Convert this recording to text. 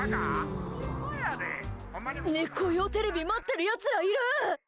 猫用テレビ待ってるやつらいる。